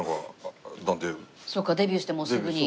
そっかデビューしてもうすぐに。